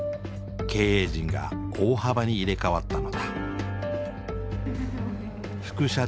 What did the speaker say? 経営陣が大幅に入れ替わったのだ。